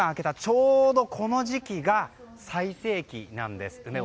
ちょうどこの時期が最盛期なんですって。